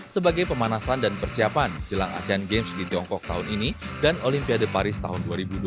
sebagai pemanasan dan persiapan jelang asean games di tiongkok tahun ini dan olimpiade paris tahun dua ribu dua puluh